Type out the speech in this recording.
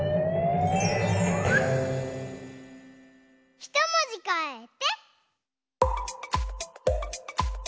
ひともじかえて。